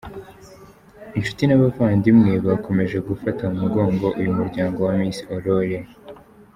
Inshuti n’abavandimwe bakomeje gufata mu mugongo uyu muryango wa Miss Aurore.